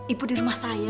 ibu di rumah saya